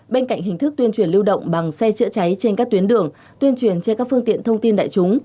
bên cạnh hình thức tuyên truyền lưu động bằng xe chữa cháy trên các tuyến đường tuyên truyền trên các phương tiện thông tin đại chúng